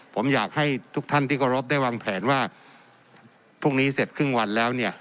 ผมอยากให้ทุกท่านที่เคารพได้วางแผนว่าพรุ่งนี้เสร็จครึ่งวันแล้วเนี่ย